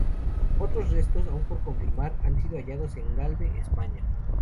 Otros restos, aún por confirmar, han sido hallados en Galve, España.